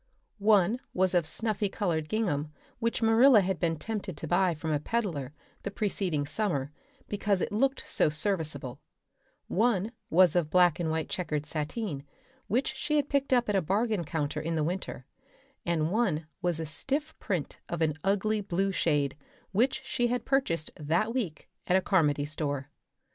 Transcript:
One was of snuffy colored gingham which Marilla had been tempted to buy from a peddler the preceding summer because it looked so serviceable; one was of black and white checkered sateen which she had picked up at a bargain counter in the winter; and one was a stiff print of an ugly blue shade which she had purchased that week at a Carmody store.